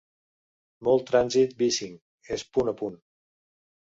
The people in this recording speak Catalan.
Molt trànsit Bisync és punt a punt.